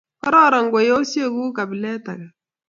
Kororon kweoshek guk kapilet age.